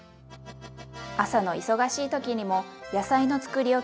朝の忙しい時にも野菜のつくりおき活躍しますよ。